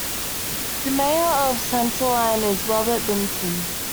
The mayor of Center Line is Robert Binson.